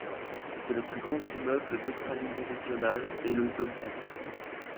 C'est le plus grand immeuble d'Australie-méridionale et le d'Australie.